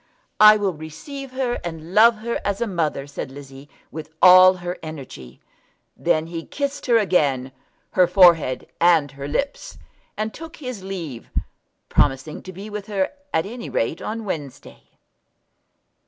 "I will receive her and love her as a mother," said Lizzie, with all her energy. Then he kissed her again, her forehead and her lips, and took his leave, promising to be with her at any rate on Wednesday.